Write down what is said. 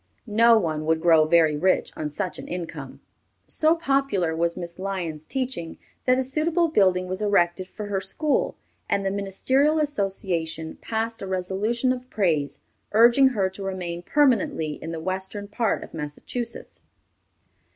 No one would grow very rich on such an income. So popular was Miss Lyon's teaching that a suitable building was erected for her school, and the Ministerial Association passed a resolution of praise, urging her to remain permanently in the western part of Massachusetts.